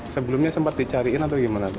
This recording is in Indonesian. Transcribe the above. sebelumnya sempat dicariin atau gimana bu